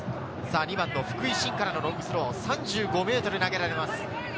２番の福井槙からのロングスロー、３５ｍ投げられます。